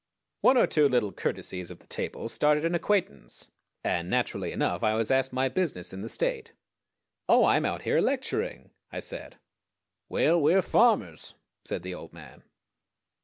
One or two little courtesies of the table started an acquaintance, and naturally enough I was asked my business in the State. "Oh, I am out here lecturing," I said. "Well, we're farmers," said the old man.